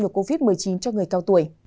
ngược covid một mươi chín cho người cao tuổi